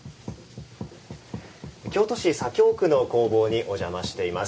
京都市左京区の工房にお邪魔しています。